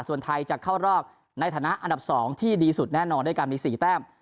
ส่วนไทยจะเข้ารอบในฐานะอันดับ๒ที่ดีสุดแน่นอนด้วยกันมี๔แต้ม